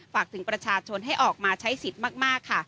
ฝากถึงประชาชนให้ออกมาใช้สิทธิ์มากค่ะ